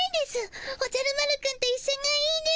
おじゃる丸くんといっしょがいいです。